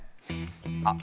あっ！